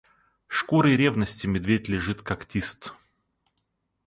Шкурой ревности медведь лежит когтист.